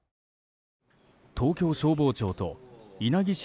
東京消防庁と稲城市